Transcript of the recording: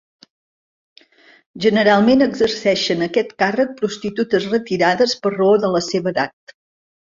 Generalment, exerceixen aquest càrrec prostitutes retirades per raó de la seva edat.